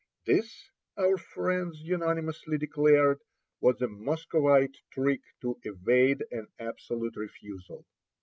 This, our friends unanimously declared, was a Muscovite trick to evade an absolute refusal.